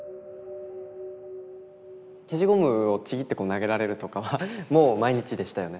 消しゴムをちぎって投げられるとかはもう毎日でしたよね。